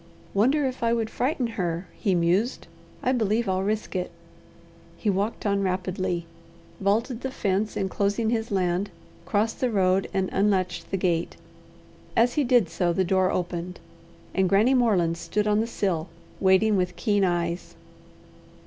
"Wonder if I would frighten her?" he mused. "I believe I'll risk it." He walked on rapidly, vaulted the fence enclosing his land, crossed the road, and unlatched the gate. As he did so, the door opened, and Granny Moreland stood on the sill, waiting with keen eyes.